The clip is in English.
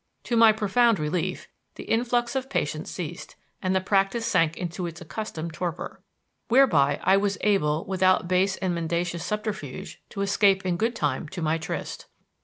To my profound relief, the influx of patients ceased, and the practise sank into its accustomed torpor; whereby I was able without base and mendacious subterfuge to escape in good time to my tryst.